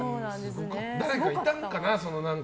誰かいたのかな。